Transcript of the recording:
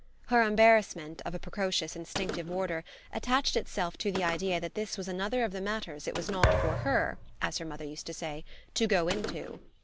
Her embarrassment, of a precocious instinctive order, attached itself to the idea that this was another of the matters it was not for her, as her mother used to say, to go into.